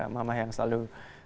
mama yang selalu